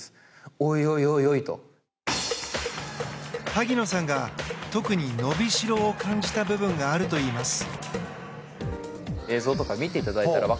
萩野さんが特に伸びしろを感じた部分があるといいます。